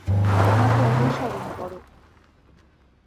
আমাকে অনুসরণ করো।